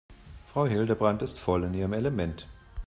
Frau Hildebrand ist voll in ihrem Element.